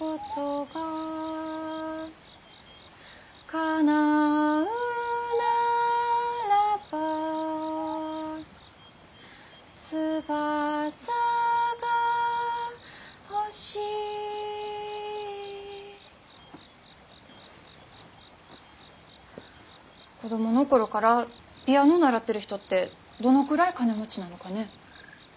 「かなうならば翼がほしい」子供の頃からピアノ習ってる人ってどのくらい金持ちなのかね。